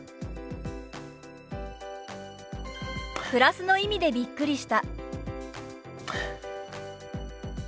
「プラスの意味でびっくりした」。